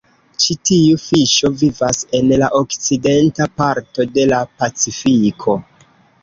Ĉi tiu fiŝo vivas en la okcidenta parto de la Pacifiko.